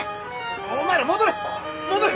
お前ら戻れ戻れ！